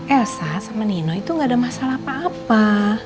elsa sama nino itu nggak ada masalah apa apa